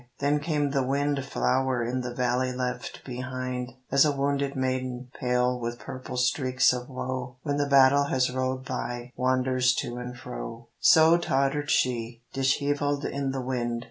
Then came the wind flower In the valley left behind, As a wounded maiden, pale With purple streaks of woe, When the battle has rolled by Wanders to and fro So tottered she, Dishevelled in the wind.